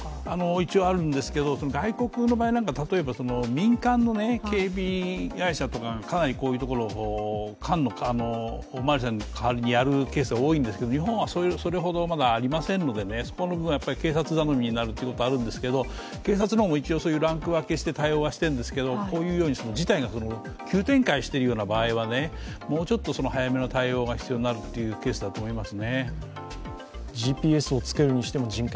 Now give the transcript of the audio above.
一応あるんですけど、外国の場合なんか、例えば民間の警備会社とか、かなりこういうところ官のおまわりさんのかわりにやるケースが多いんですが日本はそれほどまだありませんので、そこの部分は警察頼みになるということがあるんですけど、警察もランク分けして対応していて、ただこうやって急展開の場合はもうちょっと早めの対応が必要になるというケースだと思います。